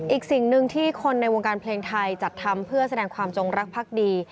อีกสิ่งหนึ่งที่คนในวงการเพลงไทยจัดทำเพื่อแสดงความจงรักภักดี